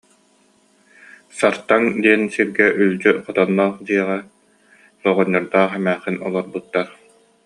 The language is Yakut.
Сартаҥ диэн сиргэ үлдьү хотонноох дьиэҕэ оҕонньордоох эмээхсин олорбуттар